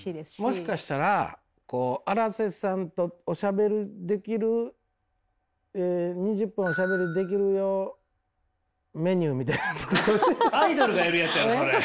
もしかしたら荒瀬さんとおしゃべりできる２０分おしゃべりできるよメニューみたいなの作っといて。